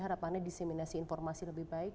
harapannya diseminasi informasi lebih baik